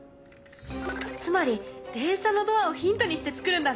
つまり電車のドアをヒントにして作るんだね。